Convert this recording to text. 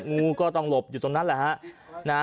งูก็ต้องหลบอยู่ตรงนั้นแหละฮะ